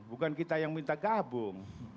bukan kita yang minta gabung